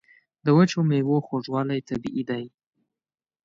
د وچو میوو خوږوالی طبیعي دی.